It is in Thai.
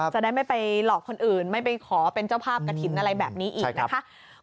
จะได้ไม่ไปหลอกคนอื่นไม่ไปขอเป็นเจ้าภาพกระถิ่นอะไรแบบนี้อีกนะคะ